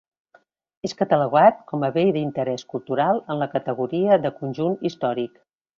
És catalogat com a Bé d'Interès Cultural en la categoria de conjunt històric.